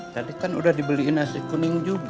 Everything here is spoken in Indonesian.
tadikan udah dibeliin nasi kuning juga